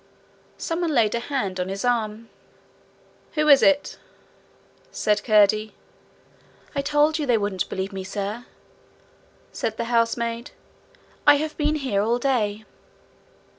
Someone laid a hand on his arm. 'Who is it?' said Curdie. 'I told you they wouldn't believe me, sir,' said the housemaid. 'I have been here all day.'